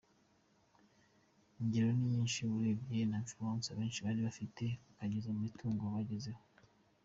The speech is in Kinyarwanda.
Ingero ni nyinshi urebye na influence abenshi bari bafite, ukageza ku mitungo bagezeho.